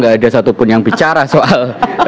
gak ada satupun yang bicara soal